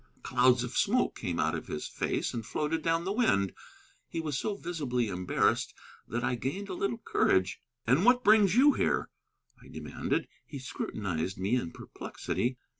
Clouds of smoke came out of his face and floated down the wind. He was so visibly embarrassed that I gained a little courage. "And what brings you here?" I demanded. He scrutinized me in perplexity.